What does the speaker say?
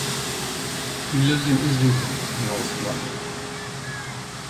He lives in Islington in north London.